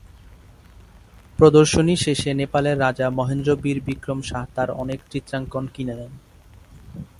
প্রদর্শনী শেষে নেপালের রাজা মহেন্দ্র বীর বিক্রম শাহ তার অনেক চিত্রাঙ্কন কিনে নেন।